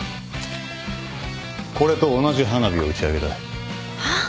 これと同じ花火を打ち上げたい。